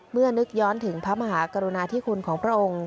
นึกย้อนถึงพระมหากรุณาธิคุณของพระองค์